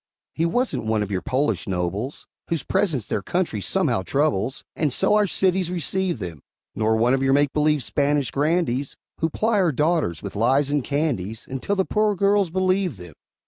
He wasn't one of your Polish nobles, Whose presence their country somehow troubles, And so our cities receive them; Nor one of your make believe Spanish grandees, Who ply our daughters with lies and candies Until the poor girls believe them.